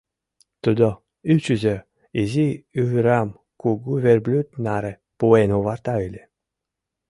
Тудо, ӱчызӧ, изи ӱвырам кугу верблюд наре пуэн оварта ыле.